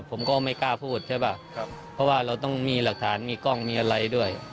ผมก็ไม่กล้าพูดใช่ป่ะครับเพราะว่าเราต้องมีหลักฐานมีกล้องมีอะไรด้วย